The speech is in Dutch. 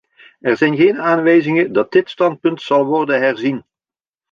Er zijn geen aanwijzingen dat dit standpunt zal worden herzien.